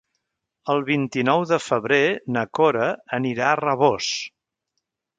El vint-i-nou de febrer na Cora anirà a Rabós.